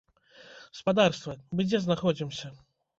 Спадарства, мы дзе знаходзімся?